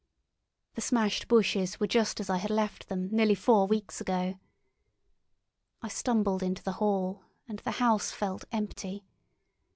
The smashed bushes were just as I had left them nearly four weeks ago. I stumbled into the hall, and the house felt empty.